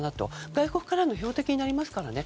外国からの標的になりますからね。